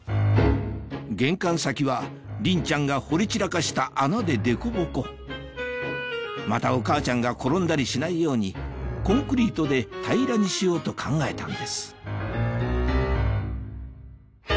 玄関先はリンちゃんが掘り散らかした穴でデコボコまたお母ちゃんが転んだりしないようにコンクリートで平らにしようと考えたんです